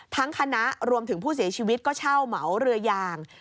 คณะรวมถึงผู้เสียชีวิตก็เช่าเหมาเรือยาง